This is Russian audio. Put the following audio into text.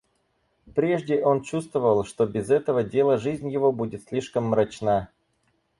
Прежде он чувствовал, что без этого дела жизнь его будет слишком мрачна.